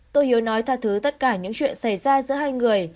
tôi hiếu nói tha thứ tất cả những chuyện xảy ra giữa hai người